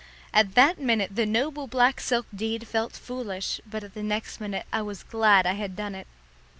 At that minute the noble black silk deed felt foolish, but at the next minute I was glad I had done it.